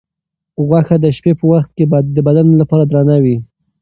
غوښه د شپې په وخت کې د بدن لپاره درنه وي.